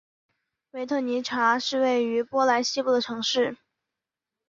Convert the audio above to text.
维特尼察是位于波兰西部的城市。